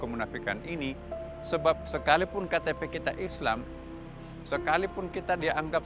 kemunafikan itu kadang kadang tidak terasa dengan kemampuan kita sendiri